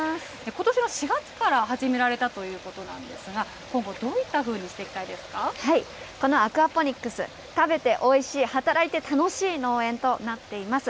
ことしの４月から始められたということなんですが、今後、どういこのアクアポニックス、食べておいしい、働いて楽しい農園となっています。